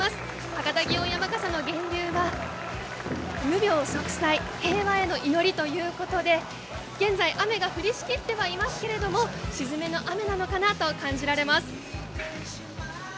博多祇園山笠の源流は無病息災、平和への祈りということで現在雨が降りしきってはいますけれども、鎮めの雨なのかなと感じます。